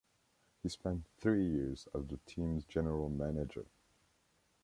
He spent three years as the team's general manager.